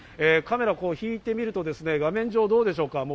カメラを引いてみると画面上どうでしょうか。